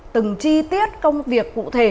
từng chi tiết công việc cụ thể